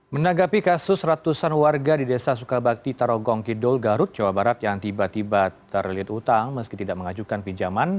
menanggapi kasus ratusan warga di desa sukabakti tarogong kidul garut jawa barat yang tiba tiba terlilit utang meski tidak mengajukan pinjaman